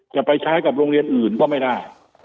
จะไปใช้กับโรงเรียนอื่นก็ไม่ได้